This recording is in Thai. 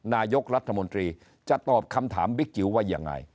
นายกรัฐมนตรีจะตอบคำถามบิ๊กจิ๋วว่ายังไง